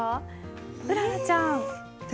うららちゃん。え。